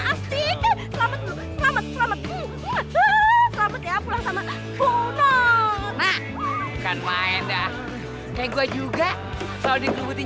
asti selamat selamat selamat ya pulang sama bonar kan main dah kayak gue juga selalu dikuburin